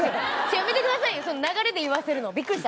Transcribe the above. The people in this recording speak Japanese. やめてくださいよ流れで言わせるのびっくりした。